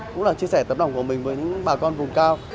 cũng là chia sẻ tập đồng của mình với những bà con vùng cao